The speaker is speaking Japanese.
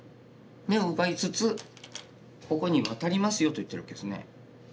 眼を奪いつつここにワタりますよと言ってるわけですね。